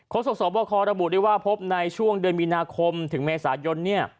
สกสวบคระบุได้ว่าพบในช่วงเดือนมีนาคมถึงเมษายน